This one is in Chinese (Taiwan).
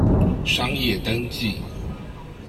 商業登記